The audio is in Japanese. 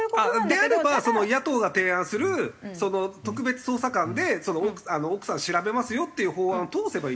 であればその野党が提案するその特別捜査官で奥さん調べますよっていう法案を通せばいいんですよ